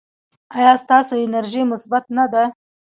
ایا ستاسو انرژي مثبت نه ده؟